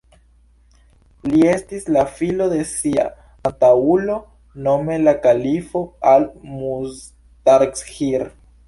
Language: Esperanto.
Li estis la filo de sia antaŭulo, nome la kalifo Al-Mustazhir.